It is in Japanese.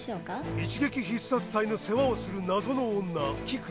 一撃必殺隊の世話をする謎の女キク。